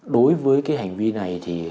đối với cái hành vi này thì